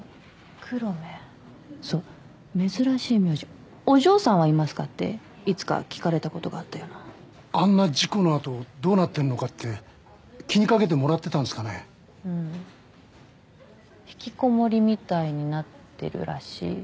黒目そう珍しい名字お嬢さんはいますかっていつか聞かれたことがあったようなあんな事故のあとどうなってんのかって気にかけてもらってたんですかねうん引きこもりみたいになってるらしい